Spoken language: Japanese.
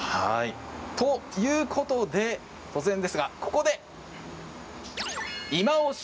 ということで突然ですがここで、いまオシ！